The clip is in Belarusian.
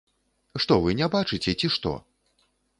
Што вы не бачыце, ці што?